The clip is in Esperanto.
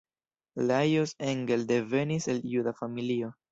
Lajos Engel devenis el juda familio.